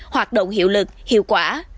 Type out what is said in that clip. hoạt động hiệu lực hiệu quả